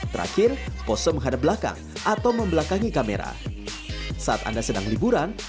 terakhir pose menghadapi pemandangan